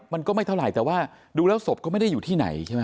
มันก็ไม่เท่าไหร่แต่ว่าดูแล้วศพก็ไม่ได้อยู่ที่ไหนใช่ไหม